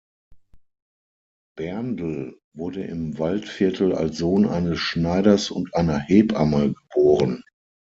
Berndl wurde im Waldviertel als Sohn eines Schneiders und einer Hebamme geboren.